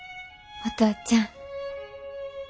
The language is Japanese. お父ちゃん。